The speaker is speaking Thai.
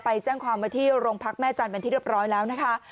ไปแจ้งความไว้ที่โรงพักแม่จันทร์เป็นที่เรียบร้อยแล้วนะคะ